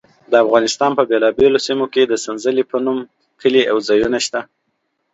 د افغانستان په بېلابېلو سیمو کې د سنځلې په نوم کلي او ځایونه شته.